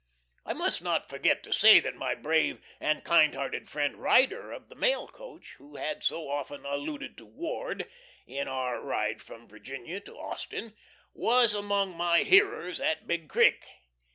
I must not forget to say that my brave and kind hearted friend Ryder of the mail coach, who had so often alluded to "Ward" in our ride from Virginia to Austin, was among my hearers at Big Creek.